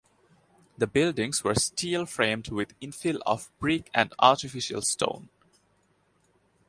The buildings were steel framed with infill of brick and artificial stone.